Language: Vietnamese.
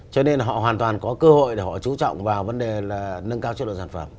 cho nên họ hoàn toàn có cơ hội để họ trú trọng vào vấn đề là nâng cao chất lượng sản phẩm